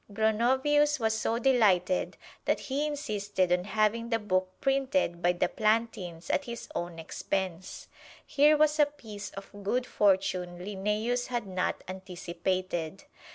Gronovius was so delighted that he insisted on having the book printed by the Plantins at his own expense. Here was a piece of good fortune Linnæus had not anticipated.